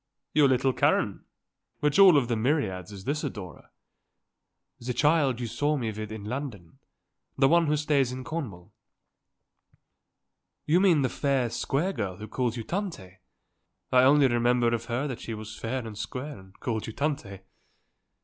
"Your little Karen? Which of all the myriads is this adorer?" "The child you saw with me in London. The one who stays in Cornwall." "You mean the fair, square girl who calls you Tante? I only remember of her that she was fair and square and called you Tante."